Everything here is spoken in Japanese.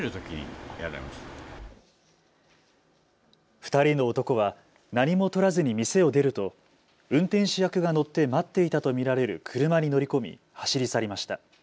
２人の男は何も取らずに店を出ると運転手役が乗って待っていたと見られる車に乗り込み走り去りました。